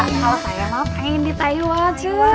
ya ya kalau saya mau pengen di taiwan cuy